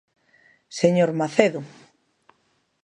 ¡Señor Macedo!